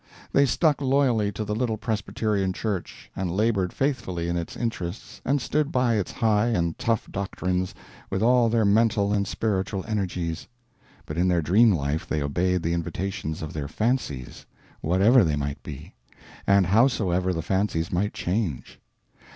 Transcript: They stuck loyally to the little Presbyterian Church, and labored faithfully in its interests and stood by its high and tough doctrines with all their mental and spiritual energies. But in their dream life they obeyed the invitations of their fancies, whatever they might be, and howsoever the fancies might change.